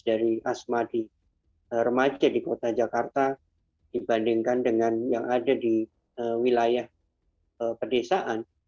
ada yang menurut saya adalah penelitian yang lebih menarik dari asma di remaja di kota jakarta dibandingkan dengan yang ada di wilayah pedesaan